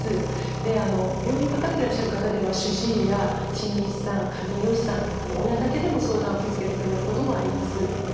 で病院にかかってらっしゃる方では主治医や心理士さん管理栄養士さん親だけでも相談受け付けてくれることもあります。